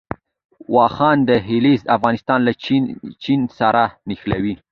واخان دهلیز افغانستان له چین سره نښلوي